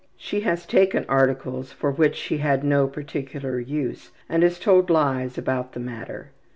She has taken articles for which she had no particular use and has told lies about the matter.